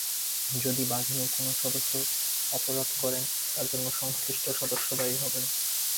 যদি বাহিনীর কোনো সদস্য অপরাধ করেন, তার জন্য সংশ্লিষ্ট সদস্য দায়ী হবেন।